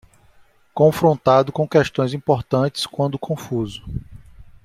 Confrontado com questões importantes quando confuso